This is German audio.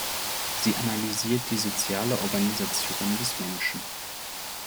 Sie analysiert die soziale Organisation des Menschen.